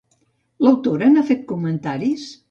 L'autora n'ha fet comentaris?